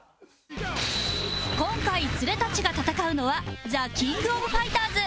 今回ツレたちが戦うのは『ザ・キング・オブ・ファイターズ』